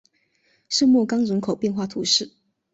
圣莫冈人口变化图示